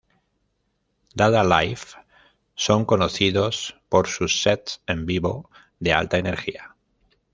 Dada Life son conocidos por sus sets en vivo de alta energía.